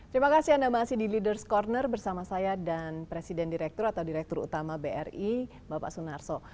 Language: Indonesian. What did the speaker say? terima kasih anda masih di ⁇ leaders ⁇ corner bersama saya dan presiden direktur atau direktur utama bri bapak sunarso